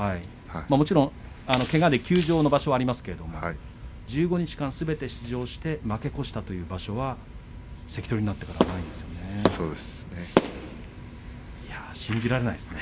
もちろんけがで休場の場所がありますけれども１５日間すべて出場して負け越したという場所は関取になってからはないんですよね。